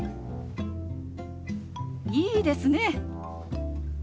いいですね！